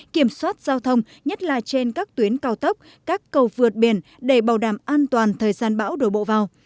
kiểm soát giao thông nhất là trên các tuyến cao tốc các cầu vượt biển để bảo đảm an toàn thời gian bão đổ bộ vào